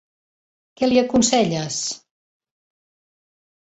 Què li aconselles?